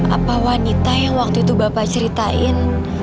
apa wanita yang waktu itu bapak ceritain